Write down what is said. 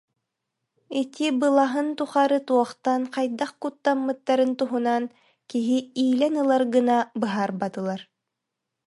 Ити былаһын тухары туохтан, хайдах куттаммыттарын туһунан киһи иилэн ылар гына быһаарбатылар